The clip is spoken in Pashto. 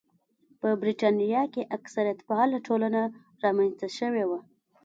په برېټانیا کې کثرت پاله ټولنه رامنځته شوې وه.